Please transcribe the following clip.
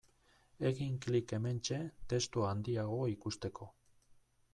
Egin klik hementxe testua handiago ikusteko.